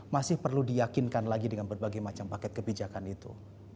masih perlu diyakinkan lagi dengan berbagai macam paket kebijakan itu